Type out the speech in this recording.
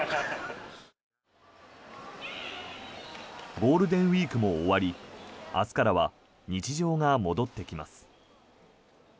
ゴールデンウィークも終わり明日からは日常が戻ってきます。